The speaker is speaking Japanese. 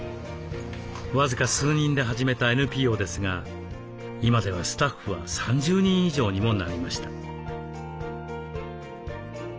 僅か数人で始めたＮＰＯですが今ではスタッフは３０人以上にもなりました。